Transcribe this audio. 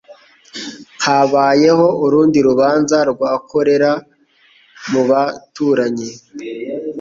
Habayeho urundi rubanza rwa kolera mu baturanyi